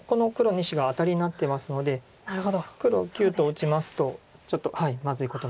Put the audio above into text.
２子がアタリになってますので黒⑨と打ちますとちょっとまずいことになります。